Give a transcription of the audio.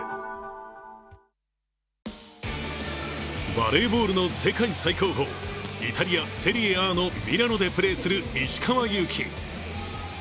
バレーボールの世界最高峰、イタリア・セリエＡのミラノでプレーする石川祐希。